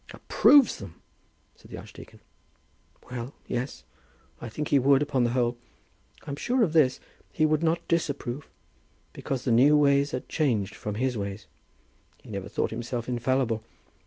"Approves them!" said the archdeacon. "Well; yes. I think he would, upon the whole. I'm sure of this: he would not disapprove, because the new ways are changed from his ways. He never thought himself infallible.